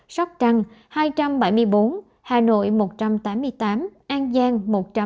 sóc trăng hai trăm bảy mươi bốn hà nội một trăm tám mươi tám an giang một trăm linh